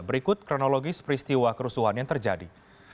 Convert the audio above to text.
berikut kronologis peristiwa kerusuhan yang terjadi